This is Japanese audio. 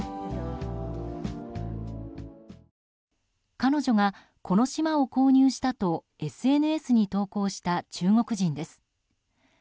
彼女が、この島を購入したとＳＮＳに投稿した中国人です。